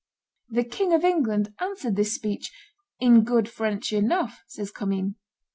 The King of England answered this speech "in good French enough," says Commynes.